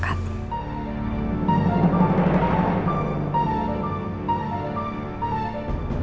kalau gitu kita sepakat